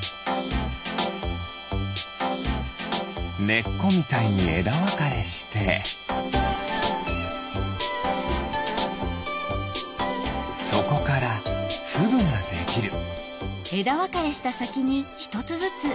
ねっこみたいにえだわかれしてそこからつぶができる。